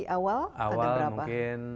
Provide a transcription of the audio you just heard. awal ada berapa awal mungkin